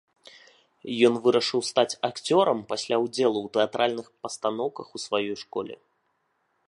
Ён вырашыў стаць акцёрам пасля ўдзелу ў тэатральных пастаноўках у сваёй школе.